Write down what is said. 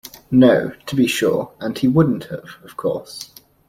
No, to be sure, and he wouldn't have, of course.